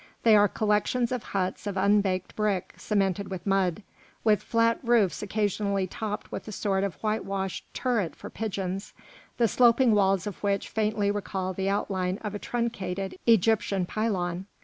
They are collections of huts of unbaked brick cemented with mud, with flat roofs occasionally topped with a sort of whitewashed turret for pigeons, the sloping walls of which faintly recall the outline of a truncated Egyptian pylon.